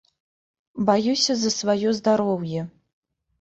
Баюся за сваё здароўе.